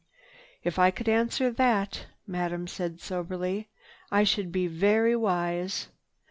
"If I could answer that," Madame said soberly, "I should be very wise.